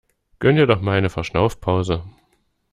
Gönn ihr doch mal eine Verschnaufpause!